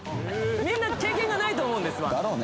みんな経験がないと思うんですワンだろうね